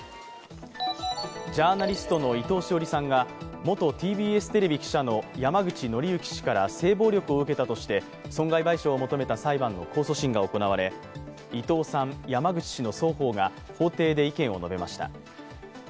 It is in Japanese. ジャーナリストの伊藤詩織さんが元ＴＢＳテレビ記者の山口敬之氏から性暴力を受けたとして損害賠償を求めた裁判の控訴審が行われ、伊藤さん、山口氏の双方が法廷で意見を述べました。